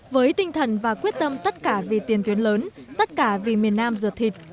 với tinh thần và quyết tâm tất cả vì tiền tuyến lớn tất cả vì miền nam ruột thịt